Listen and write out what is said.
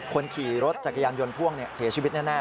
คนขี่รถจักรยานยนต์พ่วงเสียชีวิตแน่